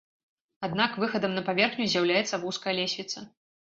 Аднак выхадам на паверхню з'яўляецца вузкая лесвіца.